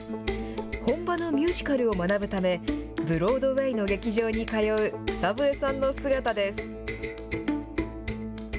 本場のミュージカルを学ぶため、ブロードウェイの劇場に通う草笛さんの姿です。